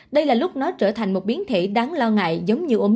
đây là lúc nó trở thành một biến thể đáng lo ngại giống như omicron